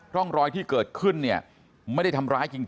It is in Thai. ร่องรอยที่เกิดขึ้นเนี่ยไม่ได้ทำร้ายจริง